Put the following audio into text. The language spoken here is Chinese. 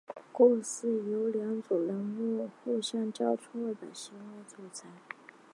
故事由两组人物互相交错的行为组成。